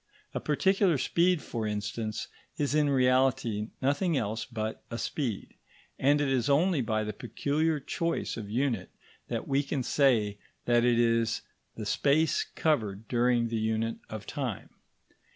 A particular speed, for instance, is in reality nothing else but a speed, and it is only by the peculiar choice of unit that we can say that it is the space covered during the unit of time.